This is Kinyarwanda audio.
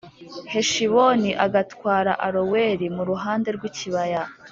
Heshiboni agatwara Aroweri mu ruhande rw ikibaya